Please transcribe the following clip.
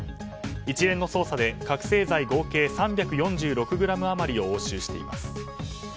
一連の捜査で覚醒剤合計３４６ｇ余りを押収しています。